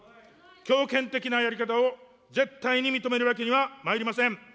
強権的なやり方を絶対に認めるわけにはまいりません。